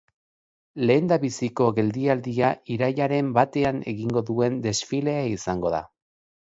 Lehendabiziko geldialdia irailaren batean egingo duen desfilea izango da.